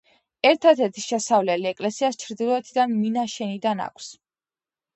ერთადერთი შესასვლელი ეკლესიას ჩრდილოეთიდან, მინაშენიდან აქვს.